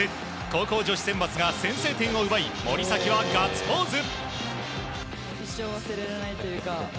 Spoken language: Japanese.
高校女子選抜が先制点を奪い森崎はガッツポーズ。